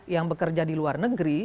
yang bekerja di luar negeri